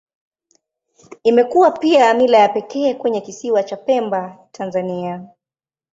Imekuwa pia mila ya pekee kwenye Kisiwa cha Pemba, Tanzania.